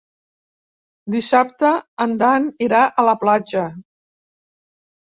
Dissabte en Dan irà a la platja.